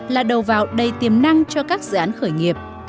là đầu vào đầy tiềm năng cho các dự án khởi nghiệp